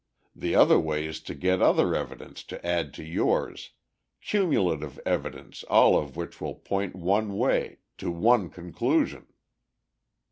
The other way is to get other evidence to add to yours, cumulative evidence all of which will point one way, to one conclusion!"